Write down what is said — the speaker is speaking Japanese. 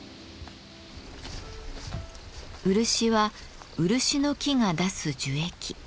漆は漆の木が出す樹液。